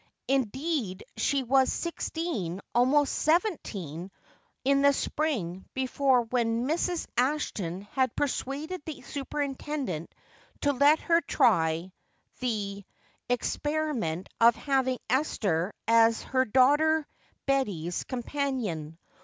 Indeed she was sixteen, almost seventeen, in the spring before when Mrs. Ashton had persuaded the superintendent to let her try the experiment of having Esther as her daughter Betty's companion.